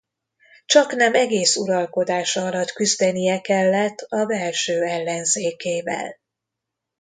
Csaknem egész uralkodása alatt küzdenie kellett a belső ellenzékével.